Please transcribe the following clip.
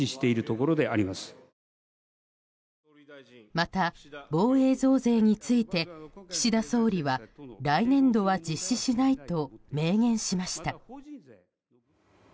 また、防衛増税について岸田総理は来年度は実施しないと明言しました。